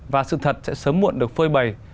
và sự thật sẽ sớm muộn được phơi bày